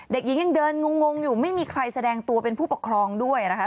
เด็กหญิงยังเดินงงอยู่ไม่มีใครแสดงตัวเป็นผู้ปกครองด้วยนะคะ